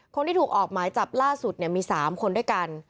คนที่ถูกออกหมายจับล่าสุดมี๓คนด้วยกัน